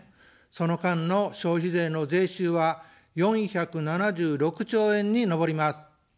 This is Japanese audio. その間の消費税の税収は４７６兆円に上ります。